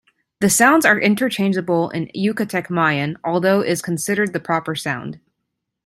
The sounds are interchangeable in Yucatec Mayan although is considered the proper sound.